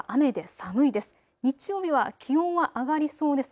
土曜日は雨で寒いです。